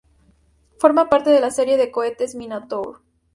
Forma parte de la serie de cohetes Minotaur.